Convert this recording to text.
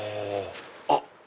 あっ！